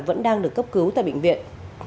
vẫn đang được cấp cứu tại bệnh viện